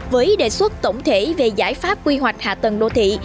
với đề xuất tổng thể về giải pháp quy hoạch hạ tầng đô thị